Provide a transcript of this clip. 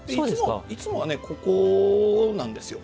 いつもはね、ここなんですよ。